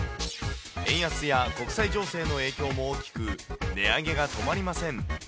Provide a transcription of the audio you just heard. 円安や国際情勢の影響も大きく、値上げが止まりません。